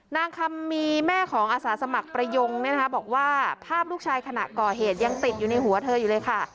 นางคำมีแม่ของอาสาสมัครประยงบอกว่าภาพลูกชายขณะก่อเหตุยังติดอยู่ในหัวเธออยู่เลยค่ะ